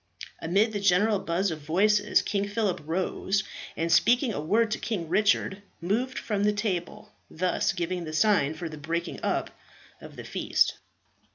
Amid the general buzz of voices King Phillip rose, and speaking a word to King Richard, moved from the table, thus giving the sign for the breaking up of the feast.